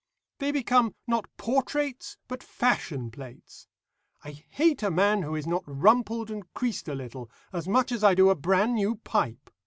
They become, not portraits, but fashion plates. I hate a man who is not rumpled and creased a little, as much as I do a brand new pipe.